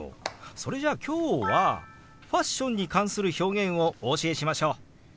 それじゃあ今日はファッションに関する表現をお教えしましょう！